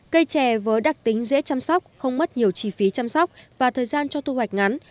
cây chè với đặc tính dễ chăm sóc không mất nhiều chi phí chăm sóc và thời gian cho thu hoạch ngắn